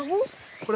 これ？